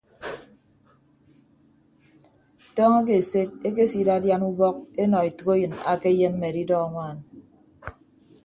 Tọọñọ ke eset ekesidadian ubọk enọ etәkeyịn akeyemme adidọ anwaan.